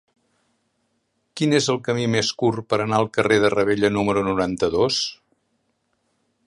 Quin és el camí més curt per anar al carrer de Ravella número noranta-dos?